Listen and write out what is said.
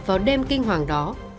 vào đêm kinh hoàng đó